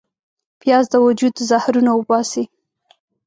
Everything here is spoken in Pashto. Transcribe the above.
پیاز د وجود زهرونه وباسي